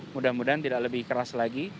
mudah mudahan tidak lebih keras lagi